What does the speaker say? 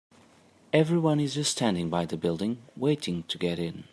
Everyone is just standing by the building, waiting to get in.